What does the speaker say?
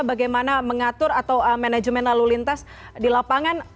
bagaimana mengatur atau manajemen lalu lintas di lapangan